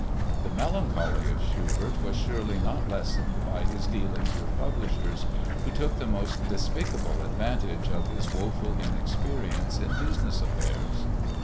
The melancholy of Schubert was surely not lessened by his dealings with publishers, who took the most despicable advantage of his woeful inexperience in business affairs.